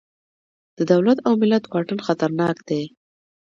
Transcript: د دولت او ملت واټن خطرناک دی.